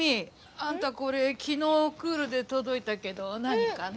あんたこれ昨日クールで届いたけど何かね？